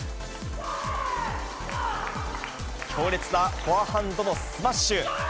強烈なフォアハンドのスマッシュ。